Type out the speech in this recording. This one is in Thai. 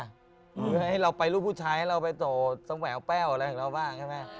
หรือให้เราไปรูปผู้ชายให้เราไปโตสงแหววแป้วอะไรอย่างนี้บ้าง